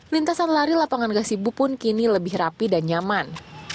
lintasan lari lapangan gasibu pun kini lebih rapi dan nyaman